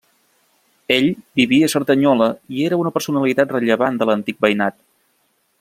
Ell vivia a Cerdanyola i era una personalitat rellevant de l'antic veïnat.